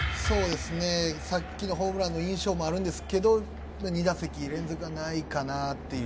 さっきのホームランの印象もあるんですけど、２打席連続ないかなっていう。